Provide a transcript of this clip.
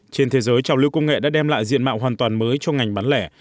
trên thế giới trào lưu công nghệ đã đem lại diện mạo hoàn toàn mới cho ngành bán lẻ